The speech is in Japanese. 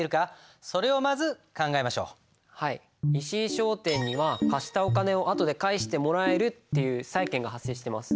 石井商店には貸したお金をあとで返してもらえるっていう債権が発生してます。